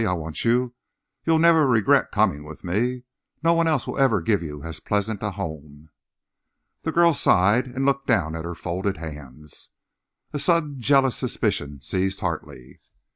I want you. You'll never regret coming with me. No one else will ever give you as pleasant a home." The girl sighed and looked down at her folded hands. A sudden jealous suspicion seized Hartley.